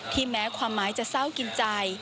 แม้ความหมายจะเศร้ากินใจ